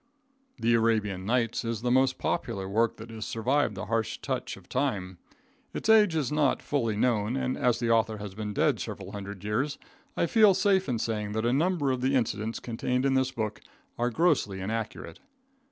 The Arabian Nights is the most popular work that has survived the harsh touch of time. Its age is not fully known, and as the author has been dead several hundred years, I feel safe in saying that a number of the incidents contained in this book are grossly inaccurate.